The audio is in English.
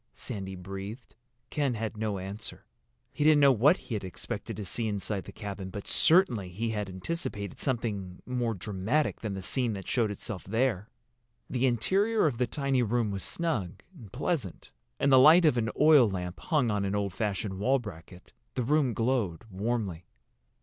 Sandy breathed. Ken had no answer. He didn't know what he had expected to see inside the cabin, but certainly he had anticipated something more dramatic than the scene that showed itself there. The interior of the tiny room was snug and pleasant. In the light of an oil lamp, hung on an old fashioned wall bracket, the room glowed warmly.